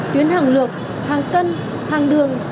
tuyến hàng lược hàng cân hàng đường